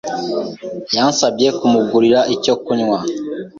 yansabye kumugurira icyo kunywa.